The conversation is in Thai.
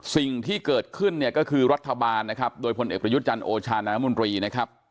สิ่งที่เกิดขึ้นเนี่ยก็คือรัฐบาลนะครับโดยพลเอกประยุทธ์จันทร์โอชานามนตรีนะครับ